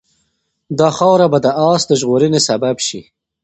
دا خاوره به د آس د ژغورنې سبب شي.